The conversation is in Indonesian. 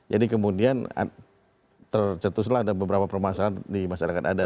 jadi kemudian tercetuslah ada beberapa permasalahan di masyarakat adat